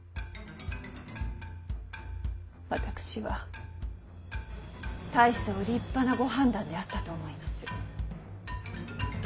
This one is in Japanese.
私は大層立派なご判断であったと思います。